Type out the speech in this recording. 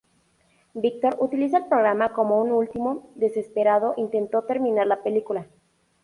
Viktor utiliza el programa como un último, desesperado intento de terminar la película.